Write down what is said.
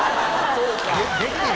そうか。